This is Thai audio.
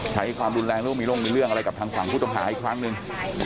ใช้ความรุนแรงหรือว่ามีลงมีเรื่องอะไรกับทางฝั่งผู้ต้องหาอีกครั้งหนึ่ง